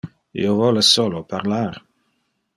Io vole solo parlar.